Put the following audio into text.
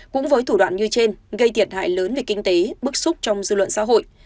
cũng với thủ đoạn như trên gây thiệt hại lớn về kinh tế bức xúc trong dư luận xã hội